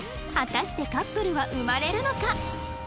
果たしてカップルは生まれるのか？